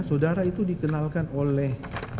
saudara itu dikenalkan oleh